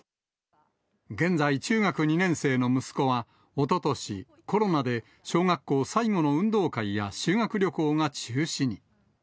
現在、中学２年生の息子は、おととし、コロナで小学校最後の運動会や修学旅行が中止に。